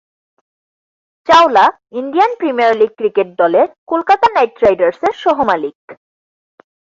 Chawla Indian Premier League cricket দলের Kolkata Knight রাইডার্সের সহ-মালিক।